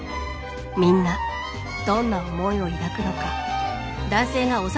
みんなどんな思いを抱くのか。